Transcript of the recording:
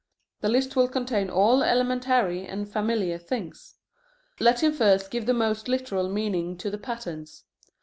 The list will contain all elementary and familiar things. Let him first give the most literal meaning to the patterns.